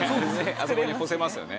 あそこに干せますよね。